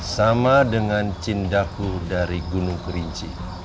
sama dengan cindaku dari gunung kerinci